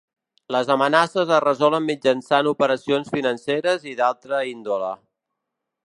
Les amenaces es resolen mitjançant operacions financeres i d'altra índole.